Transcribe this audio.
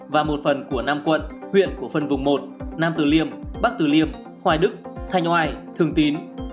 và một phần của năm quận huyện của phân vùng một nam từ liêm bắc từ liêm hoài đức thanh oai thường tín